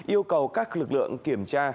yêu cầu các lực lượng kiểm tra